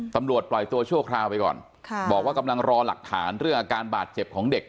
ปล่อยตัวชั่วคราวไปก่อนบอกว่ากำลังรอหลักฐานเรื่องอาการบาดเจ็บของเด็ก